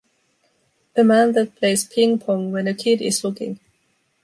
A man that plays ping-pong when a kid is looking.